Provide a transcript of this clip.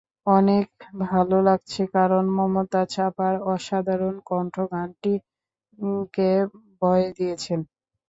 অনেক ভালো লাগছে কারণ, মমতাজ আপার অসাধারণ কণ্ঠ গানটিকে ভয়েস দিয়েছেন।